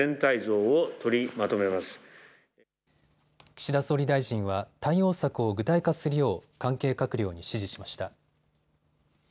岸田総理大臣は対応策を具体化するよう関係閣僚に指示しました。